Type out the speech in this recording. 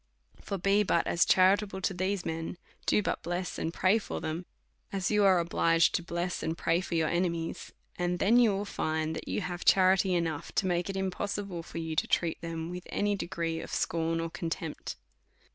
For be but as charitable to these men, do but bless and pray for them, as you are obliged to bless and pray for your enemies^ and then you will find that you have charity DEVOUT AND HOLY LIFE. 305 enough, to make it impossible for you to treat them with any degree of scorn or contempt.